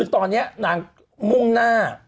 ตอนนี้นางมุ่งหน้า